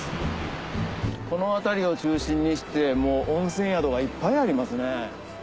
この辺りを中心にして温泉宿がいっぱいありますね。